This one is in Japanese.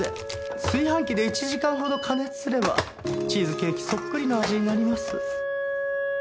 炊飯器で１時間ほど加熱すればチーズケーキそっくりの味になります。